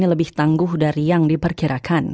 lebih tangguh dari yang diperkirakan